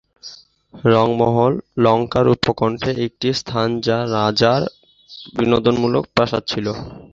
রঙমহল, লঙ্কার উপকণ্ঠে একটি স্থান যা রাজার বিনোদনমূলক প্রাসাদ ছিল।